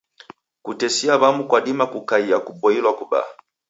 Kutesia w'amu kwadima kukaie kuboilwa kubaa.